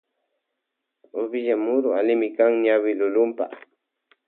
Uvilla muru allimikan ñawi luna.